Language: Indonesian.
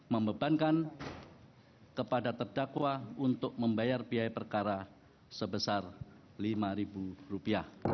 membebankan kepada terdakwa untuk membayar biaya perkara sebesar rp lima